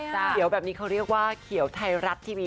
เขียวแบบนี้เขาเรียกว่าเขียวไทยรัฐทีวี